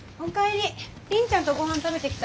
凜ちゃんとごはん食べてきた？